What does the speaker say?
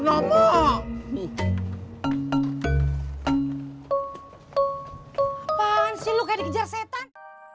apaan sih lu kayak dikejar setan